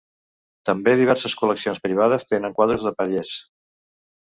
També diverses col·leccions privades tenen quadres de pallers.